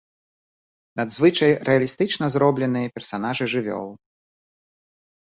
Надзвычай рэалістычна зробленыя персанажы жывёл.